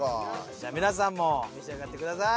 じゃ皆さんも召し上がってください。